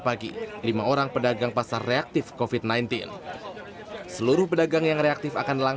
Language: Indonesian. pagi lima orang pedagang pasar reaktif kofit sembilan belas seluruh pedagang yang reaktif akan